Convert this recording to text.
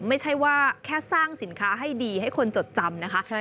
ไม่ใช่ว่าแค่สร้างสินค้าให้ดีให้คนจดจำนะคะ